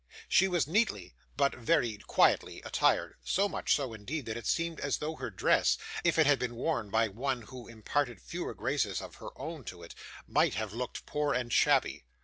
She was neatly, but very quietly attired; so much so, indeed, that it seemed as though her dress, if it had been worn by one who imparted fewer graces of her own to it, might have looked poor and shabby.